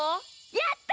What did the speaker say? やった！